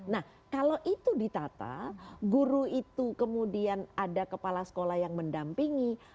nah kalau itu ditata guru itu kemudian ada kepala sekolah yang mendampingi